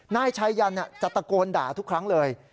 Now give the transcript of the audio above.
นายชายันจะตะโกนด่าทุกครั้งเลย